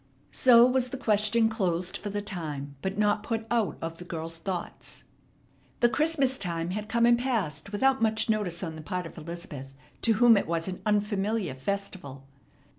So was the question closed for the time, but not put out of the girl's thoughts. The Christmas time had come and passed without much notice on the part of Elizabeth, to whom it was an unfamiliar festival.